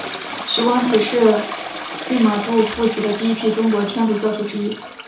徐光启是利玛窦付洗的第一批中国天主教徒之一。